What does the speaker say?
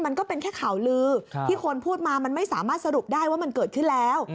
มันก็เป็นแค่ข่าวลือที่คนพูดมามันไม่สามารถสรุปได้ว่ามันเกิดขึ้นแล้ว